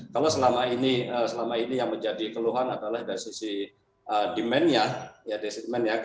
kalau selama ini selama ini yang menjadi keluhan adalah dari sisi demand nya ya dari demand nya